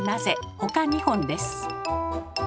ほか２本です。